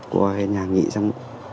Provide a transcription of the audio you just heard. qua nhà nghỉ xong